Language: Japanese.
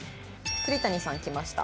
栗谷さん来ました。